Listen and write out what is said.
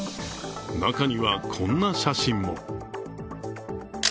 中には、こんな写真も。